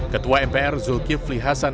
ketua mpr zulkifli hasan